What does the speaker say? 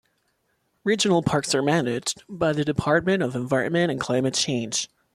Regional Parks are managed by the Department of Environment and Climate Change.